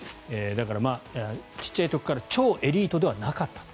だからちっちゃい時から超エリートではなかった。